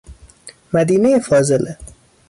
مدینه فاضله